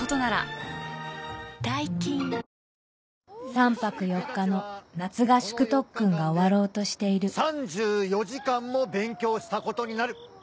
３泊４日の夏合宿特訓が終わろうとしている３４時間も勉強したことになる。